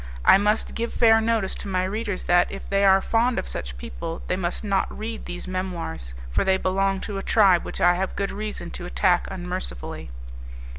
I must give fair notice to my readers that, if they are fond of such people, they must not read these Memoirs, for they belong to a tribe which I have good reason to attack unmercifully.